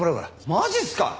マジっすか！？